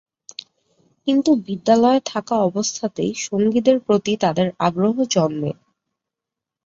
কিন্তু বিদ্যালয়ে থাকা অবস্থাতেই সঙ্গীতের প্রতি তাদের আগ্রহ জন্মে।